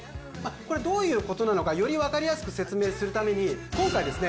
これどういうことなのかより分かりやすく説明するために今回ですね